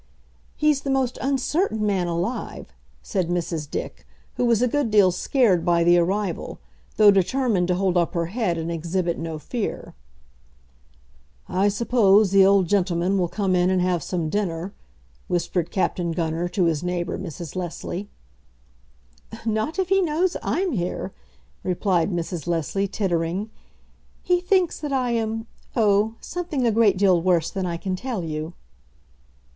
"He's the most uncertain man alive," said Mrs. Dick, who was a good deal scared by the arrival, though determined to hold up her head and exhibit no fear. "I suppose the old gentleman will come in and have some dinner," whispered Captain Gunner to his neighbour Mrs. Leslie. "Not if he knows I'm here," replied Mrs. Leslie, tittering. "He thinks that I am, oh, something a great deal worse than I can tell you."